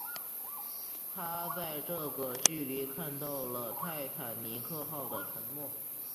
他在这个距离看到了泰坦尼克号的沉没。